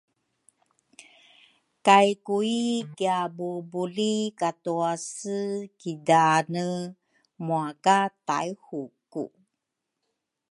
kay Kui kiabubuli katwase ki daane mua ka Taihuku.